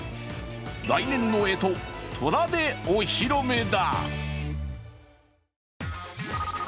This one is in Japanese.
来年のえと、とらでお披露目だ。